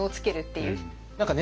何かね